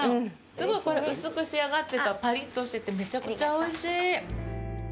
すごいこれ、薄く仕上がって、パリッとしてて、めちゃくちゃおいしい。